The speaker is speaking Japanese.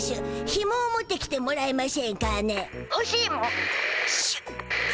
ひもを持ってきてもらえましぇんかね」。